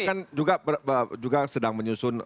kan juga sedang menyusun